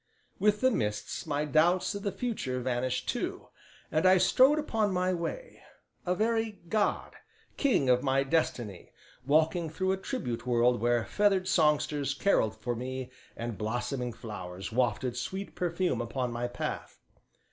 With the mists my doubts of the future vanished too, and I strode upon my way, a very god, king of my destiny, walking through a tribute world where feathered songsters carolled for me and blossoming flowers wafted sweet perfume upon my path.